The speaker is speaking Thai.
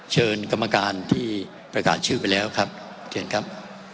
เชิญกรรมการที่ประกาศชื่อไปแล้วครับเชิญครับ